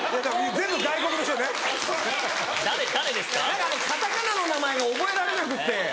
何かカタカナの名前が覚えられなくって。